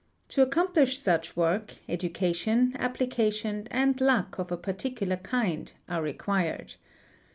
To accomplish such work, education, application, and luck of a particular kind, are required.